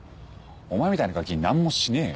お前みたいなガキに何もしねえよ。